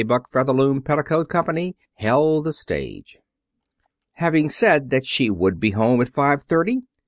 Buck Featherloom Petticoat Company, held the stage. Having said that she would be home at five thirty.